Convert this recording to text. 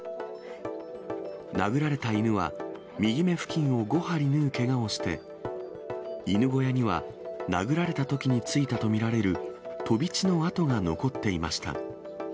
殴られた犬は、右目付近を５針縫うけがをして、犬小屋には殴られたときについたと見られる飛び血の跡が残っていました。